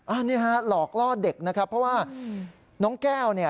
อันนี้ฮะหลอกล่อเด็กนะครับเพราะว่าน้องแก้วเนี่ย